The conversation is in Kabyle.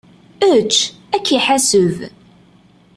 Ečč! Ad k-iḥaseb!